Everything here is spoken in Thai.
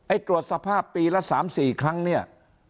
ตรวจสภาพปีละ๓๔ครั้งเนี่ย